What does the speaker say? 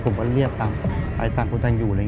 ผมก็เรียบตามไปต่างอยู่